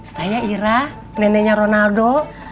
saya ira neneknya ronaldo